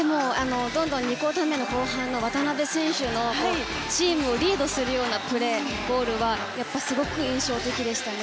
第２クオーター後半の渡邊選手のチームをリードするようなプレー、ゴールはすごく印象的でしたね。